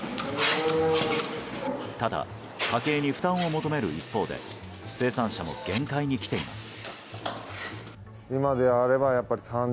ただ、家計に負担を求める一方で生産者も限界に来ています。